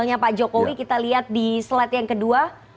misalnya pak jokowi kita lihat di slide yang kedua